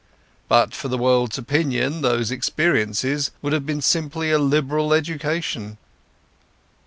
But for the world's opinion those experiences would have been simply a liberal education.